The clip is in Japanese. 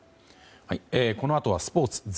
このあとはスポーツ。